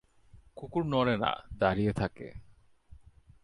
কুকুর নড়ে না, দাঁড়িয়ে থাকে।